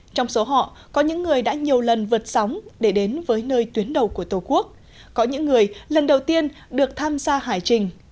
trong số họ có những người đã nhiều lần vượt sóng để đến với nơi tuyến đầu của tổ quốc có những người lần đầu tiên được tham gia hải trình